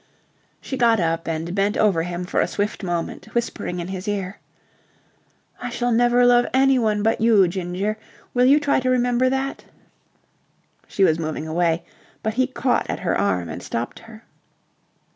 She got up and bent over him for a swift moment, whispering in his ear, "I shall never love anyone but you, Ginger. Will you try to remember that." She was moving away, but he caught at her arm and stopped her.